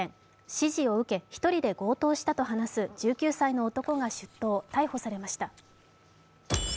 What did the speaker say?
指示を受け、１人で強盗したと話す１９歳の男が出頭、逮捕されました。